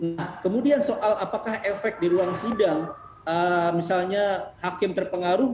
nah kemudian soal apakah efek di ruang sidang misalnya hakim terpengaruh